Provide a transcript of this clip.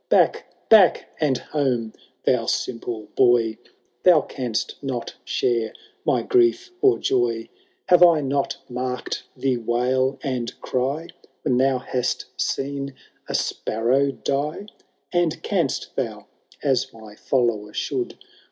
Back, back, and home, thou simple boy ! Thou canst not share my grief or joy : Have I not marked thee wail and cry When thou hast seen a sparrow die ? And canst thou, as my follower should.